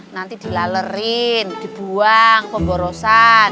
nanti dilalerin dibuang pemborosan